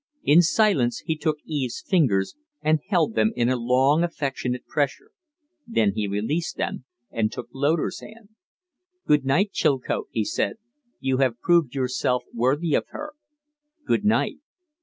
In silence he took Eve's fingers and held them in a long, affectionate pressure; then he released them and took Loder's hand. "Good night, Chilcote," he said. "You have proved yourself worthy of her. Good night."